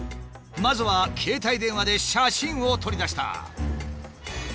まずは携帯電話で写真を撮りだした。